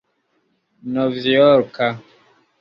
novjorka